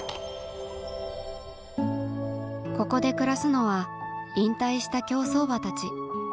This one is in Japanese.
ここで暮らすのは引退した競走馬たち